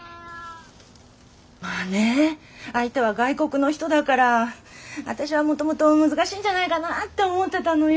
まあね相手は外国の人だから私はもともと難しいんじゃないかなって思ってたのよ。